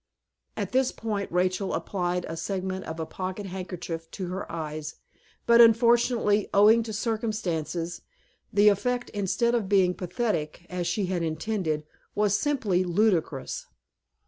At this point, Rachel applied a segment of a pocket handkerchief to her eyes; but unfortunately, owing to circumstances, the effect, instead of being pathetic, as she had intended, was simply ludicrous.